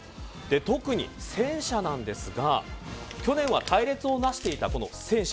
特に、戦車なんですが去年は隊列をなしていたこの戦車。